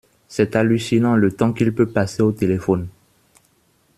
C'est hallucinant le temps qu'il peut passer au téléphone.